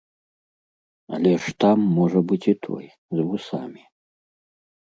Але ж там можа быць і той, з вусамі.